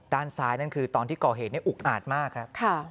ด้านซ้ายนั่นคือตอนที่ก่อเหตุอุกอาจมากครับ